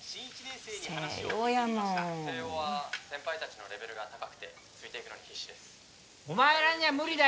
星葉やもん星葉は先輩たちのレベルが高くてついていくのに必死ですお前らにゃ無理だよ！